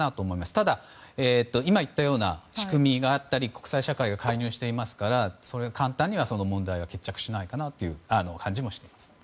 ただ、今言ったような仕組みがあったり国際社会が介入していますから簡単には問題は決着しないかなという感じもします。